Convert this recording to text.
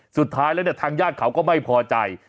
สุดท้ายแล้วเนี่ยทางญาติเขาก็ไม่พอใจ